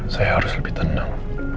saya harus lebih tenang